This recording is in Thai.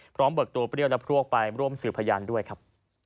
เบิกตัวเปรี้ยวและพวกไปร่วมสืบพยานด้วยครับ